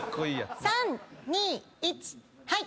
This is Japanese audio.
３２１はい。